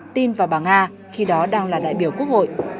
tin vào bà nga khi đó đang là đại biểu quốc hội